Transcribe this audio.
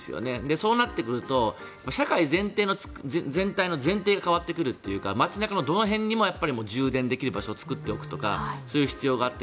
そうなってくると社会全体の前提が変わってくるというか街中のどの辺にも充電できる場所を作っておくとかそういう必要があって。